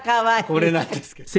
これなんですけど。